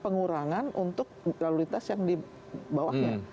pengurangan untuk lalu lintas yang di bawahnya